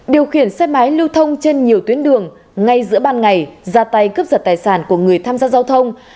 điều khiển xe máy lưu thông trên nhiều tuyến đường ngay giữa ban ngày ra tay cướp giật tài sản của người tham gia giao thông